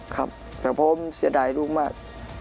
ครับแต่ผมเสียดายลูกมาก